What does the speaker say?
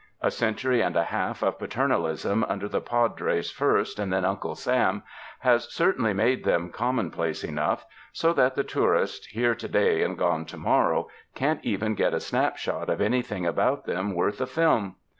A century and a half of pa ternalism, under the Padres first and then Uncle Sam, has certainly made them commonplace enough; so that the tourist, here to day and gone to morrow, can't even get a snap shot of anything about them worth a film.